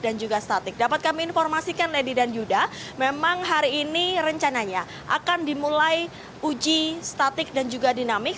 dan juga statik dapat kami informasikan lady dan yuda memang hari ini rencananya akan dimulai uji statik dan juga dinamik